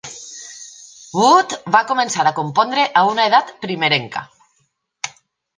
Wood va començar a compondre a una edat primerenca.